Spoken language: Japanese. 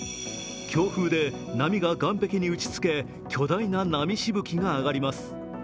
強風で波が岸壁に打ち付け巨大な波しぶきが上がります。